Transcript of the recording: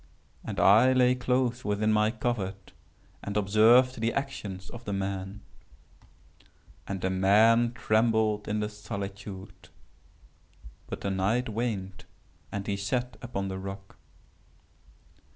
And I lay close within my covert and observed the actions of the man. And the man trembled in the solitude;—but the night waned and he sat upon the rock.